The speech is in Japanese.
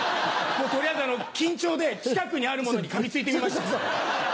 取りあえず緊張で近くにあるものに噛みついてみました。